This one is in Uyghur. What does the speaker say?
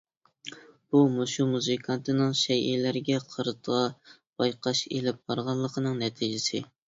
بۇ مۇشۇ مۇزىكانتنىڭ شەيئىلەرگە قارىتا بايقاش ئېلىپ بارغانلىقىنىڭ نەتىجىسى.